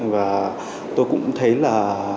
và tôi cũng thấy là